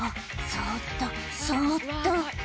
「そっとそっと」